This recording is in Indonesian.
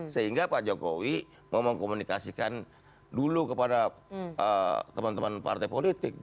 sehingga pak jokowi mau mengkomunikasikan dulu kepada teman teman partai politik